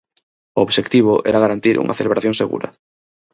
O obxectivo era garantir unha celebración segura.